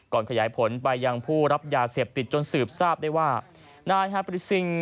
ขยายผลไปยังผู้รับยาเสพติดจนสืบทราบได้ว่านายฮาปริซิง